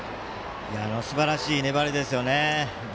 すばらしい粘りですよね。